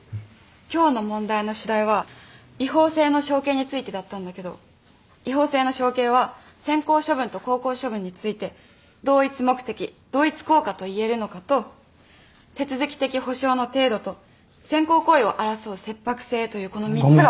今日の問題の主題は違法性の承継についてだったんだけど違法性の承継は先行処分と後行処分について同一目的同一効果といえるのかと手続き的保障の程度と先行行為を争う切迫性というこの３つが。